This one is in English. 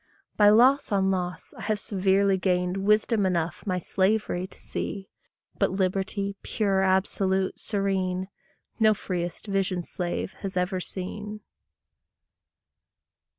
By loss on loss I have severely gained Wisdom enough my slavery to see; But liberty, pure, absolute, serene, No freëst visioned slave has ever seen.